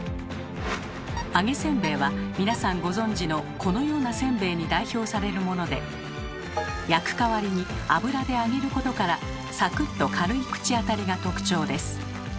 揚げせんべいは皆さんご存じのこのようなせんべいに代表されるもので焼く代わりに油で揚げることからサクッと軽い口当たりが特徴です。